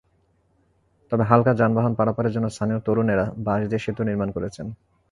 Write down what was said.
তবে হালকা যানবাহন পারাপারের জন্য স্থানীয় তরুণেরা বাঁশ দিয়ে সেতু নির্মাণ করেছেন।